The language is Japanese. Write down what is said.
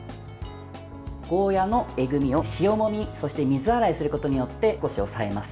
ゴーヤーのえぐみを、塩もみそして水洗いすることによって少し抑えます。